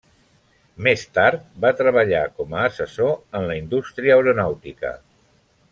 Més tard, va treballar com a assessor en la indústria aeronàutica.